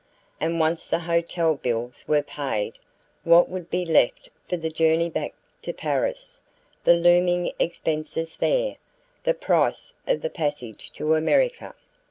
And once the hotel bills were paid, what would be left for the journey back to Paris, the looming expenses there, the price of the passage to America?